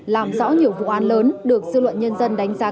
làm rõ nhiều vụ án lớn được dư luận nhân dân đánh giá